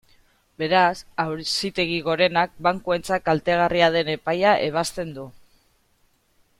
Beraz, Auzitegi Gorenak bankuentzat kaltegarria den epaia ebazten du.